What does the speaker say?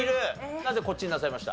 なぜこっちになさいました？